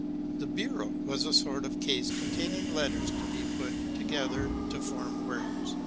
The "bureau" was a sort of case containing letters to be put together to form words.